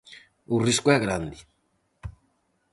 O risco é grande.